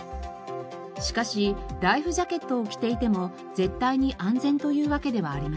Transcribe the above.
しかしライフジャケットを着ていても絶対に安全というわけではありません。